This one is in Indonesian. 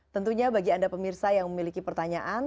tentunya bagi anda pemirsa yang memiliki pertanyaan